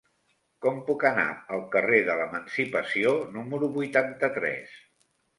Com puc anar al carrer de l'Emancipació número vuitanta-tres?